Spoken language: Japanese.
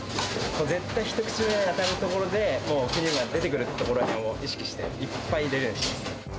絶対１口目当たるところで、もうクリームが出てくるところを意識して、いっぱい入れるようにしています。